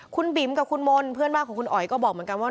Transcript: คุณบิ๋มกับคุณมนต์เพื่อนบ้านของคุณอ๋อยก็บอกเหมือนกันว่า